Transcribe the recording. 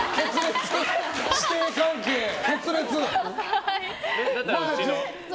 師弟関係、決裂！